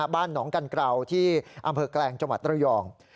บ้านหนองกันกราวที่อำเภอแกลงจังหวัดระยอง